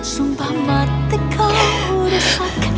sumpah mati kau merusak